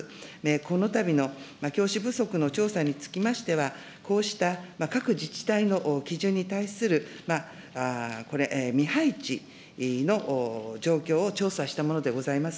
このたびの教師不足の調査につきましては、こうした各自治体の基準に対する未配置の状況を調査したものでございます。